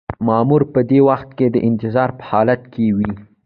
مامور په دې وخت کې د انتظار په حالت کې وي.